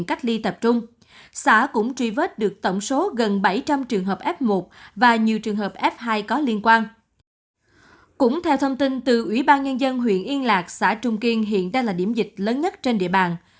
cũng theo thông tin từ ủy ban nhân dân huyện yên lạc xã trung kiên hiện đang là điểm dịch lớn nhất trên địa bàn